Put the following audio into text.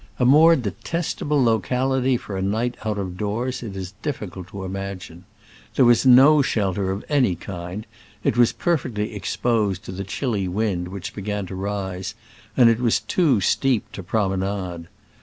A more detestable locality for a night out of doors it is difficult to imagine. There was no shelter of any kind, it was perfectly exposed to the chilly wind which began to rise, and it was too steep to promenade.